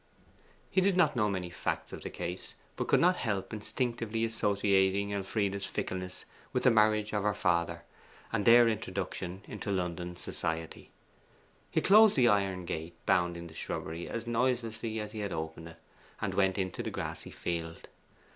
He did not know many facts of the case, but could not help instinctively associating Elfride's fickleness with the marriage of her father, and their introduction to London society. He closed the iron gate bounding the shrubbery as noiselessly as he had opened it, and went into the grassy field.